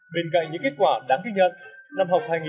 bên cạnh những kết quả đáng kích nhận